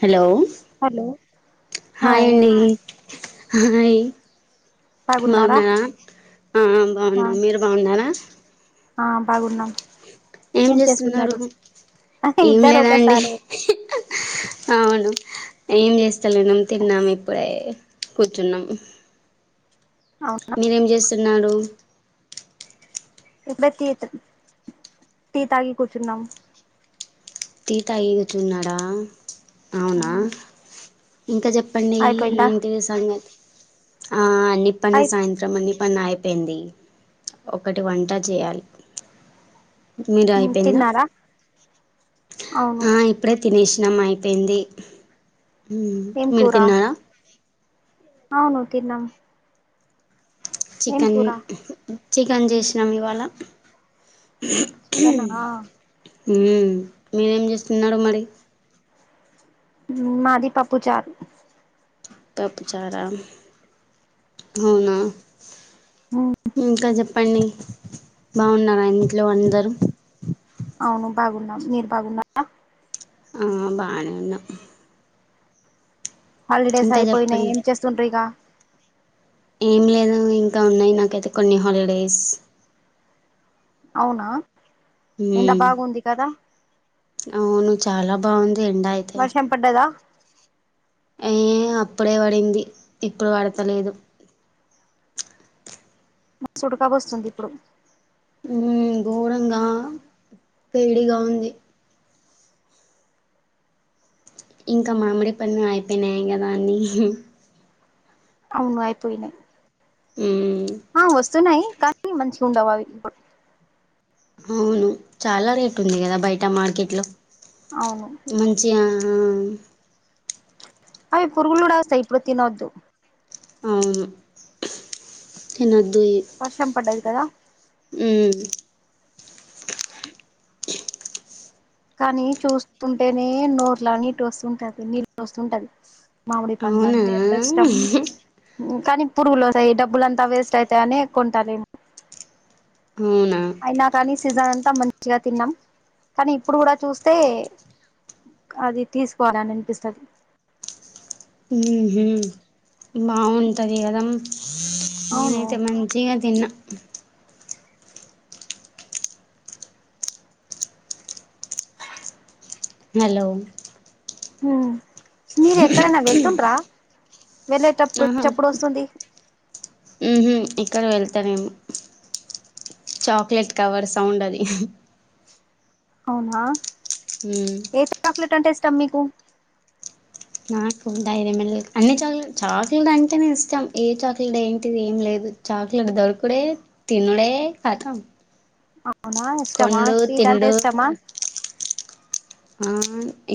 Hello hello hi హాయండి హాయి బాగున్నారా బావున్నారా ఆ ఆ బావునం మీరు బాగున్నారా ఆ బాగున్నాం ఏం చేస్తున్నారు ఏమి ఇద్దరు లేదాండి ఒకసారే హా హా అవును ఏం చేస్తాలేం తిన్నాము ఇప్పుడే కూర్చున్నాము అవునా మీరేం చేస్తున్నారు ఇప్పుడే టీ త్ టీ తాగి కూర్చున్నాం టీ తాగి కూర్చున్నారా అవునా ఇంకా చెప్పండి అయిపోయిందా ఏంటి సంగతి ఆ అన్నిప్పనే అయి సాయంత్రం అన్ని పన్న అయిపోయింది ఒకటి వంట చేయాలి మీరు అయిపోయిందా తిన్నారా అవును ఆ ఇప్పుడే తినేసి నం అయిపోయింది ఉమ్ ఏం మీరు కూర తిన్నారా అవును తిన్నాం ఏం చికెన్ కూర చికెన్ చేసినాం ఇవాళ చికెనా ఉహ్మ్ హూ మీరేం చేస్తున్నారు మరి మాది పప్పూ చార్ పపుచారా అవునా ఇంకా చెప్ చెప్పండి బాగున్నారు ఇంట్లో అందరూ అవును బాగున్నాం మీరు బాగున్నారా ఆ బానేఉన్నాం హాలిడేస్ అయిపోయినాయి చెప్పండి ఏం చేస్తుండ్ర ఇక ఏం లేదు ఇంకా ఉన్నాయి నాకైతే కొన్ని హాలిడేస్ అవునా ఎండా మ్మ్ బాగుంది కదా అవును చాలా బాగుంది ఎండ అయితే వర్షం పడ్డదా ఏ అప్పుడే పడింది ఇప్పుడు పడతలేదు మస్తు ఉడకపోస్తుంది ఇప్పుడు ఉమ్ ఘోరంగా వేడిగా ఉంది ఇంకా మామిడి పండ్లు అయిపోయినాయి కదా అని అవును అయిపోయినాయ్ మ్మ్ ఆ వస్తునాయి కానీ మంచి ఉండవది ఇప్పుడు అవును చాలా రేట్ ఉంది కదా బయట మార్కెట్ లో అవును మంచిగా ఆ అయి పురుగులుగుడస్తాయ్ ఇప్పుడు తినొద్దు అవును తినొద్ దీ వర్షం పడ్డది కదా ఊ కానీ చూస్తుంటేనే నోర్లా నీటొస్తుంటది నీళ నీల్ వస్తుంటది మామిడి అవునా పండ్లంటే ఎంత ఇష్టం కానీ పురుగులు వస్తాయి డబ్బులంతా వేస్ట్ ఐతయి అనే కొంటలేను అవునా అయినా కానీ సీజన్ అంతా మంచిగా తిన్నాం కానీ ఇప్పుడు కూడా చూస్తే అది తీసుకోవాలని అని అనిపిస్తది ఊ బాగుంటది కదా అమ్ అవును నేనైతే మంచిగా తిన్నా హలో ఆ మీరు ఎక్కడైనా వెళ్తుండ్రా వెళ్ళేటప్పుడు చప్పుడు వస్తుంది ఊహు ఇ ఇక్కడ వెళ్తాలేము చాక్లెట్ కవర్ సౌండ్ అది అవునా ఉమ్, ఏ చాక్లెట్ అంటే ఇష్టం మీకు నాకు డైరీమిల్ అన్ని చాక్లెట్ చాక్లెట్ అంటేనేే ఇస్తాం ఏ చాక్లెట్ ఏంటిది ఏం లేదు ల్ చాక్లెట్ దొరకుడే తినుడే కతం అవునా ఇష్టమా కొండు స్వీట్ అంటే తిండు ఇష్టమా ఆ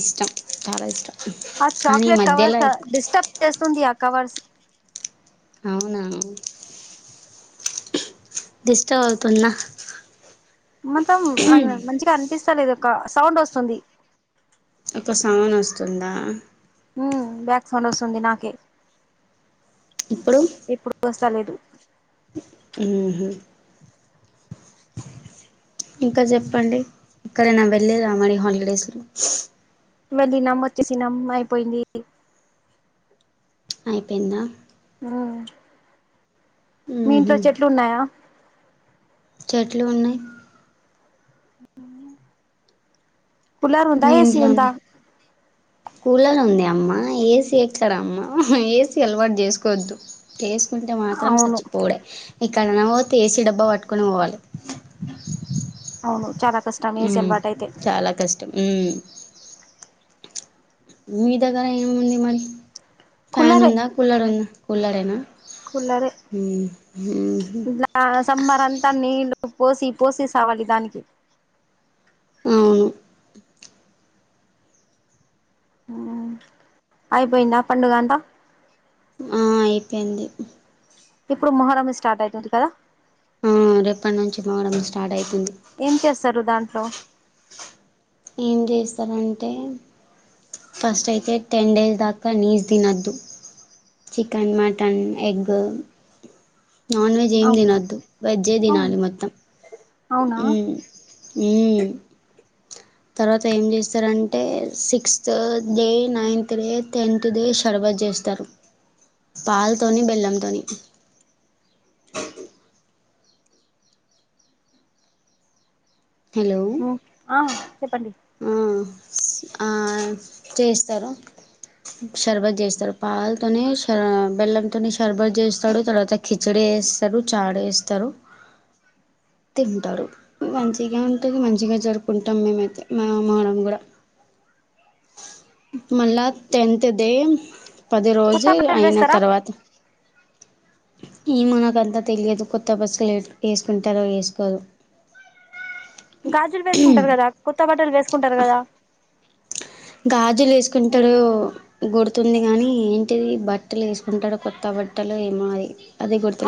ఇష్టం చాలా ఇష్టం ఆ కానీ ఈ చాక్లెట్ మధ్యలో కవర్స డిస్టర్బ్ చేస్తుంది ఆ కవర్స్ అవునా డిస్టర్బ్ అవుతుందా మొత్తం అం మంచిగా అనిపిస్త లేదు ఒక సౌండ్ వస్తుంది ఒక సౌన్ వస్తుందా ఊ బ్యాక్ సౌండ్ వస్తుంది నాకే ఇప్పుడు చలేదు ఊహు ఇంకా చెప్పండి ఎక్కడైనా వెళ్ళేదా మరి హాలిడేసు వెళ్ళినం వచ్చేసినం అయిపోయింది అయిపోయిందా ఆ మీ ఉహు ఇంట్లో చెట్లు ఉన్నాయా చెట్లు ఉన్నాయి పులర్ ఉందా మీ ఏసి ఇంట్లో ఉంద కూలర్ ఉంది అమ్మ ఏసీ ఎక్కడమ్మ ఏసీ అలవాటు చేసుకోవద్దు చేసుకుంటే మాత్రం అవును చచ్చిపోడే ఇక్కడన పోతే ఏసి డబ్బా పట్టుకొని పోవాలే అవును చాలా కష్టం ఏసి అలవాటు అయితే చాలా కష్టం ఉమ్ మీ దగ్గర ఏముంది మరి ఫ్యాన్ కుల్లరే ఉందా కూలర్ ఉందా కూలరేనా కులరే ఉమ్ ఉహు ఇట్లా సమ్మర్ అంతా నీల్లు పోసి పోసి సావాలి దానికి అవును అయిపోయిందా పండుగ అంతా ఆ అయిపోయింది ఇప్పుడు మొహరమే స్టార్ట్ ఐతుంది కదా ఆ రేపటి నుంచి మోడం స్టార్ట్ అయి ఏం చేస్తారు దాంట్లో ఏం చేస్తారంటే ఫస్ట్ అయితే టెన్ డేస్ దాకా నీసు తినద్దు chicken mutton egg non veg ఏమి అవునా తినొద్దు వెజ్జే అవును తినాలి మొత్తం అవునా ఉం ఉం తర్వాత ఏం చేస్తారంటే sixth day ninth day tenth day షర్బతి చేస్తారు పాలతోని బెల్లంతోని హలో ఆ చెప్పండి ఆ ఆ చేస్తారు షర్బత్ చేస్తాడు పాల తోని బెల్లం తోని షర్బతు చేస్తాడు తర్వాత కిచిడి చేస్తారు చాడ వేస్తారు తింటారు మంచిగే ఉంటది మంచిగా జరుపుకుంటాం మేమైతే మా మాడం కూడా మల్ళ టెన్త్ డే పది కొత్త రోజు బట్టలు అయిన వేస్తారా తర్వాత ఈ మనకంతా తెలియదు కొత్త బస్సులు వేసుకుంటారో వేసుకోరు గాజులు వేసుకుంటారు కదా కొత్త బట్టలు వేసుకుంటారు కదా గాజులు వేసుకుంటాడో గొడుతుంది గానీ ఏంటిది బట్టలు వేసుకుంటాడు కొత్త బట్టలు అదే మారి [unintelligible]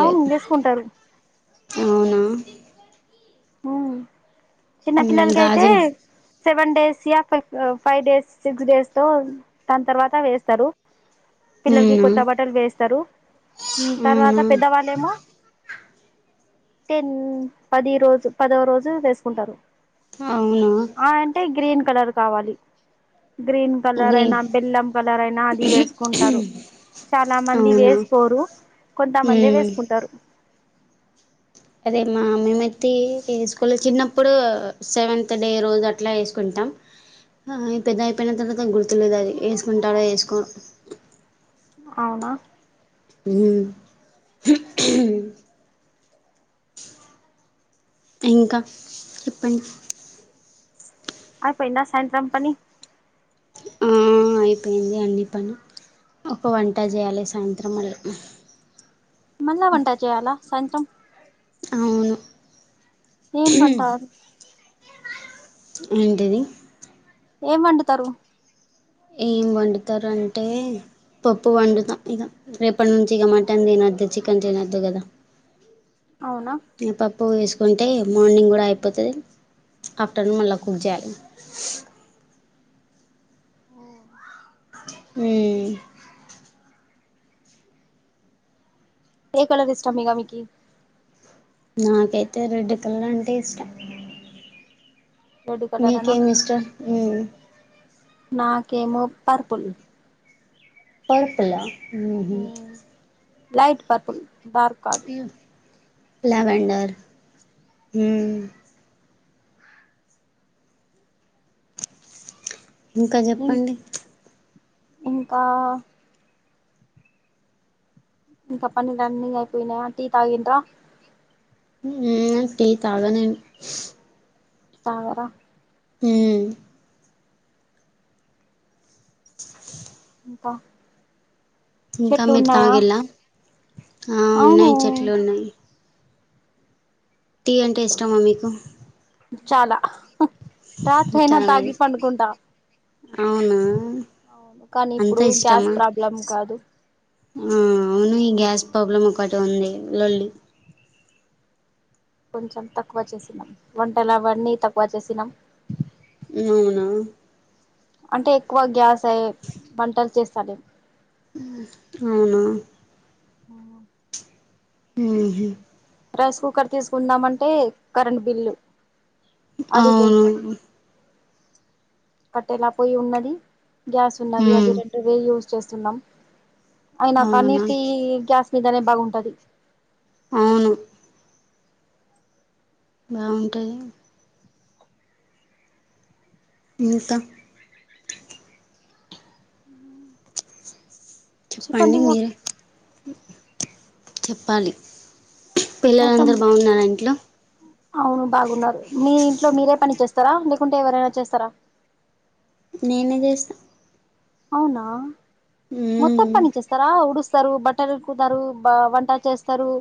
అవును గేసుకుంటారు అవునా హా చిన్న పిల్లలకి అయితే గాజులు సెవెన్ డేస్ యా ఫైవ్ డేస్ సిక్స్ డేస్ తో దాని తర్వాత వేస్తారు పిల్లలకి అవునా కొత్త బట్టలు వేస్తారు తర్వాత అవునా పెద్దవాళ్ళేమో టెన్ పది రోజు పదవ రోజు వేసుకుంటారు అవునా ఆ అంటే గ్రీన్ కలర్ కావాలి గ్రీన్ కలర్ గ్రీన్ అయినా బెల్లం కలర్ అయినా అది వేసుకుంటారు చాలా మంది అవునా వేసుకోరు కొంతమందే వేసుకుంటారు అదేమ్మా మేమైతే వేసుకోలే చిన్నప్పుడు సెవెంత్ డే రోజు అట్లా వేసుకుంటాం పెద్ద అయిపోయిన తర్వాత గుర్తులేదు అది వేసుకుంటారో వేసుకో అవునా ఉం ఇంకా చెప్పండి అపోయిందా సాయంత్రం పని ఆ అయిపోయింది అన్ని పని ఒక వంట చేయాలి సాయంత్రం మళ్ళీ మల్లా వంటా చేయలా సాయంత్రం అవును ఏం వంట ఏంటిదీ ఏం వండుతారు ఏం వండుతారుంటే పప్పు వండుతాం ఇగా రేపటి నుంచి ఇక మటన్ తినొద్దు చికెన్ తినొద్దు కదా అవునా ఏ పప్పు వేసు కుంటే మార్నింగ్ కూడా అయిపోతది ఆఫ్టర్నూన్ మళ్ళ కుక్ చేయాలి ఉం ఏ కలర్ ఇష్టం ఇగ మీకి నాకైతే రెడ్ కలర్ అంటే ఇష్టం రెడ్ కలర్ మీకు అనా ఏం ఇష్టం ఉమ్ నాకేమో పర్పుల్ పర్పుల్ ఆ ఉహూ లైట్ పర్పుల్ డార్క్ కాదు లావెండర్ ఉమ్ ఇంకా ఇం చెప్పండి ప్చ్ ఇంకా ఇంక పనులన్నీ అయిపోయినాయా టీ తాగిన్ర ఉమ్ టీ తాగ నేను తాగరా ఉమ్ కా ఇంకా మీరు తాగిళ్ళ ఆ అవును ఉన్నాయి చెట్లు ఉన్నాయి టీ అంటే ఇష్టమా మీకు చాలా రాత్రి అయినా చాలా తాగి ఇష్టం. పండుకుంటా అవునా ఆ అవును కానీ అంత ఇప్పుడు గ్యాస్ ఇష్టమా ప్రాబ్లం కాదు ఆ అవును ఈ గ్యాస్ ప్రాబ్లం ఒకటి ఉంది లొల్లి కొంచెం తక్కువ చేసినాం వంటలు అవన్నీ తక్కువ చేసినాం అవునా అంటే ఎక్కువ గ్యాస్ అయ్యి వంటలు చేస్తాలే ఉమ్ అవునా ఆ ఉహూ రైస్ కుక్కర్ తీసుకుందామంటే కరెంట్ బిల్లు అది అవును కట్టెల పొయ్యి ఉన్నది గ్యాస్ ఉన్నది అది ఉమ్ రెండు వే యూస్ చేస్తున్నాం అయినా కానీ అవునా టీ గ్యాస్ మీదనే బాగుంటది అవును బాగుంటది ఇంకా చెప్పండి ఇగా చెప్పాలి మొత్తం పిల్లలందరూ బాగున్నారా ఇంట్లో అవును బాగున్నారు మీ ఇంట్లో మీరే పని చేస్తారా లేకుంటే ఎవరైనా చేస్తారా నేనే చేస్తా అవునా మొత్తం ఉమ్ పని చేస్తారా ఊడు స్తారు బట్టలు ఉతుకుతారు బా వంట చేస్తారు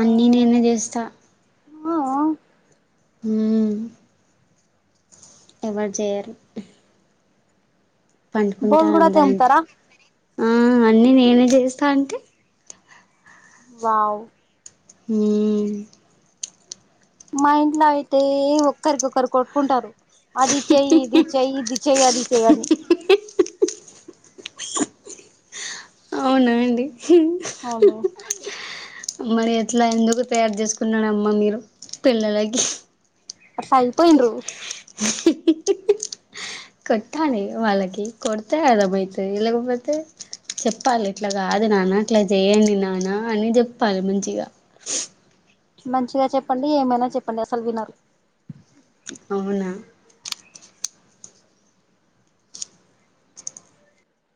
అన్నీ నేనే చేస్తా ఆ ఆ ఉమ్ ఎవరు జేయరు బోల్ పండుకుంటారు కూడా అందరి తెమ్ముతారా ఆ అన్నీ నేనే చేస్తా అంటే వావ్ ఉమ్ మా ఇంట్లో అయితే ఒక్కరికొక్కరు కొట్టుకుంటారు అది చేయ్ ఇది చేయ్ ఇది చేయ్ అది చేయ్ అవునా అండి అవును మరి ఎట్లా ఎందుకు తయారు చేసుకున్నాడమ్మా మీరు పిల్లలకి వస అయిపోయిండ్రు కట్టాలి వాళ్ళకి కొడతే అదామైతే ఇలాకపోతే చెప్పాలి ఇట్లా కాదు నానా ఇట్లా చేయండి నానా అని చెప్పాలి మంచిగా మంచిగా చెప్పండి ఏమైనా చెప్పండి అసలు వినరు అవునా